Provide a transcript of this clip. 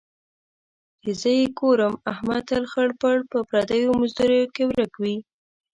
چې زه یې ګورم، احمد تل خړ پړ په پردیو مزدوریو کې ورک وي.